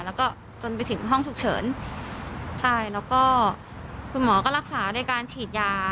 แล้วก็จนไปถึงห้องฉุกเฉินใช่แล้วก็คุณหมอก็รักษาด้วยการฉีดยา